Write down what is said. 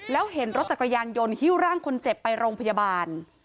แล้วเห็นรถจักรยานยนต์ฮิ้วร่างคนเจ็บไปโรงพยาบาล